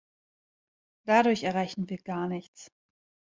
Dadurch erreichen wir gar nichts.